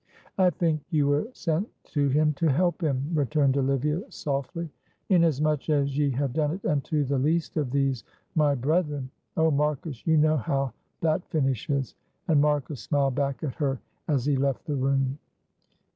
"I think you were sent to him to help him," returned Olivia, softly. "'Inasmuch as ye have done it unto the least of these my brethren.' Oh, Marcus, you know how that finishes," and Marcus smiled back at her as he left the room.